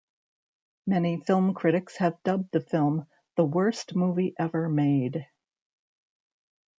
Many film critics have dubbed the film the "worst movie ever made".